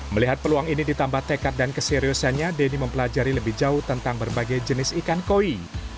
melihat peluang ini ditambah tekat dan keseriusannya denny mempelajari lebih jauh tentang berbagai jenis ikan koi